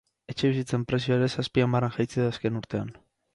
Etxebizitzen prezioa ere zazpi hamarren jaitsi da azken urtean.